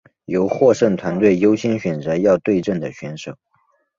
由获胜团队优先选择要对阵的对手。